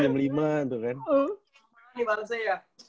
lama nih balesnya ya